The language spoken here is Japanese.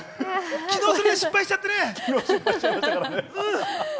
昨日、それ失敗しちゃってね。